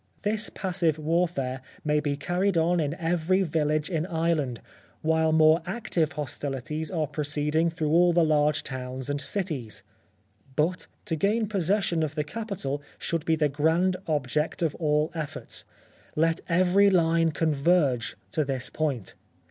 This passive warfare may be carried on in every 59 The Life of Oscar Wilde village in Ireland, while more active hostilities are proceeding through all the large towns and cities. But, to gain possession of the capital should be the grand object of all efforts. Let every line converge to this point.